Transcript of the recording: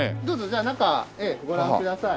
じゃあ中ご覧ください。